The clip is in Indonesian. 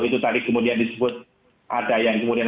itu tadi kemudian disebut ada yang kemudian